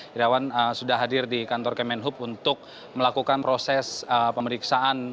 dirawan sudah hadir di kantor kementerian perhubungan untuk melakukan proses pemeriksaan